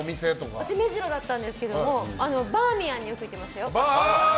私、目白だったんですけどバーミヤンによく行っていましたよ。